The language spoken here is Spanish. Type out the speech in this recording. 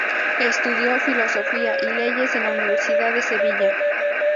Estudió Filosofía y Leyes en la Universidad de Sevilla.